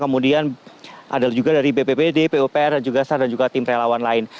kemudian ada juga dari bppd pupr dan juga sar dan juga tim relawan lain